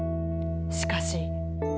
しかし。